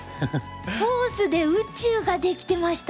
フォースで宇宙ができてました。